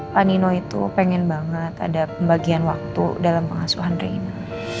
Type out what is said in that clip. pak nino itu pengen banget ada pembagian waktu dalam pengasuhan reinhard